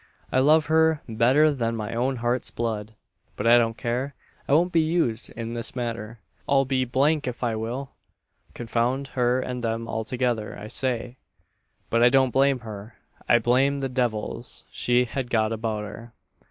"I love her better than my own heart's blood; but I don't care I won't be used in this manner I'll be d d if I will! Confound her and them altogether, I say! But I don't blame her I blame the devils she has got about her.